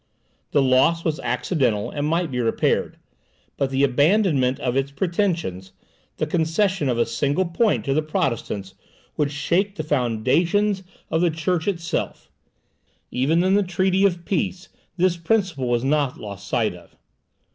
The loss was accidental and might be repaired; but the abandonment of its pretensions, the concession of a single point to the Protestants, would shake the foundations of the church itself. Even in the treaty of peace this principle was not lost sight of.